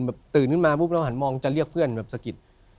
แบบตื่นขึ้นมาปุ๊บแล้วหันมองจะเรียกเพื่อนแบบสกิรติฟัง